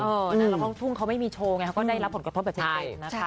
แล้วห้องทุ่งเขาไม่มีโชว์ไงเขาก็ได้รับผลกระทบแบบจริงนะคะ